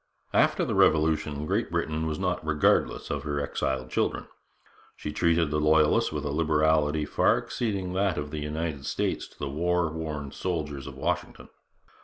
After the Revolution Great Britain was not regardless of her exiled children. She treated the Loyalists with a liberality far exceeding that of the United States to the war worn soldiers of Washington.